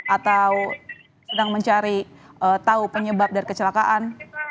atau sedang mencari tahu penyebab dari kecelakaan